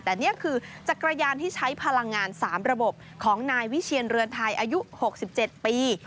แต่นี่คือจักรยานที่ใช้พลังงาน๓ระบบของนายวิเชียนเรือนไทยอายุ๖๗ปี